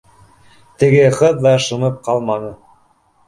— Теге ҡыҙ ҙа шымып ҡалманы: